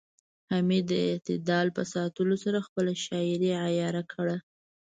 حمید د اعتدال په ساتلو سره خپله شاعرۍ عیاره کړه